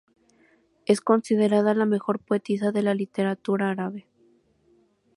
Es considerada la mejor poetisa de la literatura árabe.